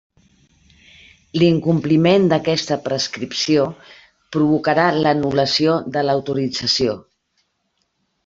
L'incompliment d'aquesta prescripció provocarà l'anul·lació de l'autorització.